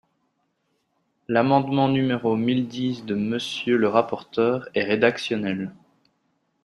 L’amendement numéro mille dix de Monsieur le rapporteur est rédactionnel.